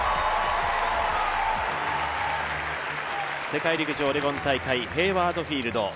世界陸上オレゴン大会、ヘイワード・フィールド。